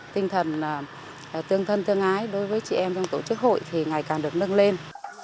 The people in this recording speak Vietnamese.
tinh thần tương thân tương ái đối với chị em trong tổ chức hội thì ngày càng được nâng lên